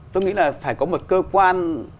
tôi nghĩ là phải có một cơ quan